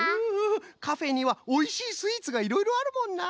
カフェにはおいしいスイーツがいろいろあるもんな。